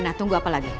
rena tunggu apa lagi